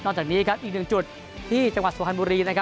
นอกจากนี้อีกหนึ่งจุดที่จังหวัดสุพรรณบุรี